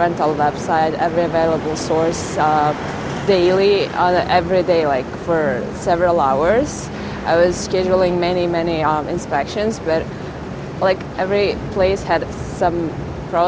untuk memastikan mereka melakukan resiko yang mungkin untuk pengguna dan publik yang tersisa